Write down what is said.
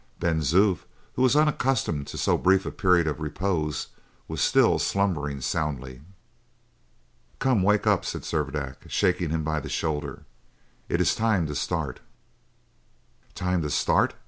Ben Zoof, who was unaccustomed to so brief a period of repose, was still slumbering soundly. "Come, wake up!" said Servadac, shaking him by the shoulder; "it is time to start." "Time to start?"